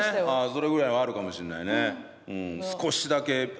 それぐらいはあるかもしれないね。